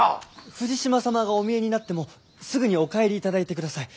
富士島様がお見えになってもすぐにお帰りいただいてください。